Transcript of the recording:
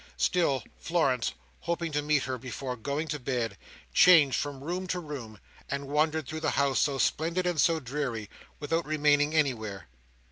Still Florence hoping to meet her before going to bed, changed from room to room, and wandered through the house so splendid and so dreary, without remaining anywhere.